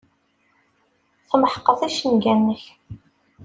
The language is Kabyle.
Tmeḥqeḍ icenga-nnek.